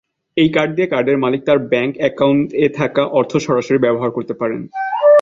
এই কার্ড দিয়ে কার্ডের মালিক তার ব্যাংক একাউন্ট এ থাকা অর্থ সরাসরি ব্যবহার করতে পারে।